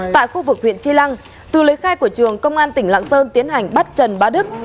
tại khu vực huyện chi lăng từ lấy khai của trường công an tỉnh lạng sơn tiến hành bắt trần bá đức